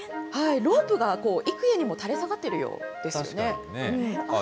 ロープが幾重にも垂れ下がっているようですよね。